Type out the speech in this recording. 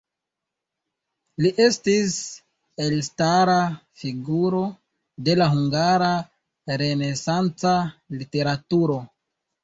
Li estis elstara figuro de la hungara renesanca literaturo.